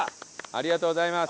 ありがとうございます。